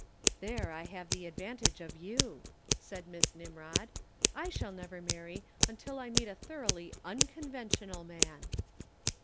"There I have the advantage of you," said Miss Nimrod. "I shall never marry till I meet a thoroughly _un_conventional man."